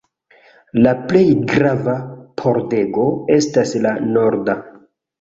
La plej grava pordego estas la norda.